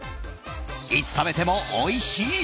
いつ食べてもおいしい！